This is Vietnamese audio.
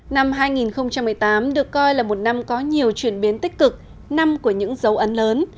năm hai nghìn một mươi tám được coi là một năm có nhiều chuyển biến tích cực năm của những dấu ấn lớn